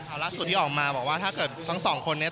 ล่าสุดที่ออกมาบอกว่าถ้าเกิดทั้งสองคนนี้